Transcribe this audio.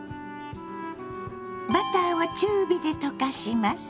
バターを中火で溶かします。